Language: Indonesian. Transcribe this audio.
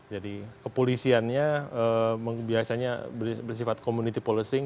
jadi kepolisiannya biasanya bersifat community policing